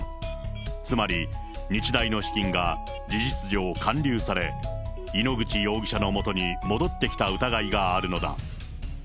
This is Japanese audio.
つまり、日大の資金が事実上、還流され、井ノ口容疑者のもとに戻ってきた疑いがあるのだ。